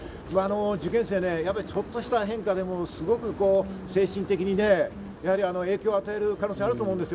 受験生ね、ちょっとした変化でもすごく精神的に影響を与える可能性があると思うんですよ。